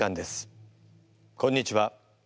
こんにちは。